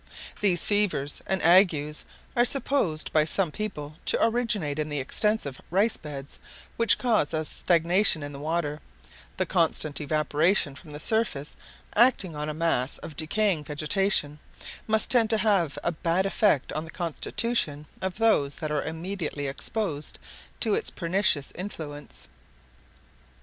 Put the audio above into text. These fevers and agues are supposed by some people to originate in the extensive rice beds which cause a stagnation in the water; the constant evaporation from the surface acting on a mass of decaying vegetation must tend to have a bad effect on the constitution of those that are immediately exposed to its pernicious influence.